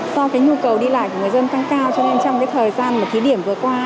do cái nhu cầu đi lại của người dân tăng cao cho nên trong cái thời gian mà thí điểm vừa qua